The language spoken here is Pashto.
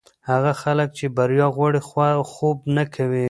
هغه خلک چې بریا غواړي، خوب نه کوي.